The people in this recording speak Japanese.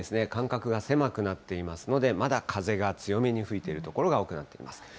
間隔が狭くなっていますので、まだ風が強めに吹いている所が多くなっています。